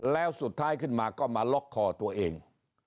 แล้วสุดท้ายขึ้นมาก็มาล็อกคอตัวเอง